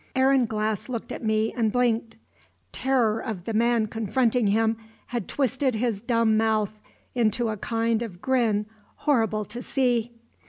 Aaron Glass looked at me and blinked. Terror of the man confronting him had twisted his dumb mouth into a kind of grin horrible to see.